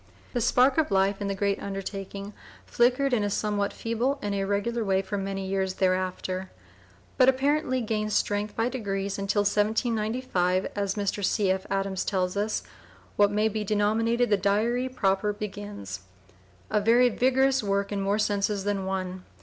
The spark of life in the great undertaking flickered in a somewhat feeble and irregular way for many years thereafter, but apparently gained strength by degrees until in 1795, as Mr. C. F. Adams tells us, "what may be denominated the diary proper begins," a very vigorous work in more senses than one.